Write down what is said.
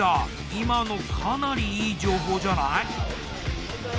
今のかなりいい情報じゃない？